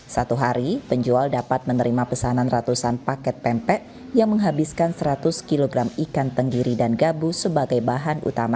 satu hari penjual dapat menerima pesanan ratusan paket pempek yang menghabiskan seratus kg ikan tenggiri dan gabus sebagai bahan utama